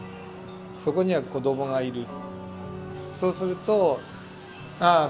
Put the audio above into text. そこには子どもがいる。